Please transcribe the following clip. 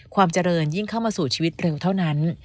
ความเจริญยิ่งเข้ามาสู่ชีวิตเร็วเท่านั้น